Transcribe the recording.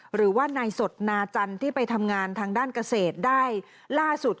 หรือว่านายสดนาจันทร์ที่ไปทำงานทางด้านเกษตรได้ล่าสุด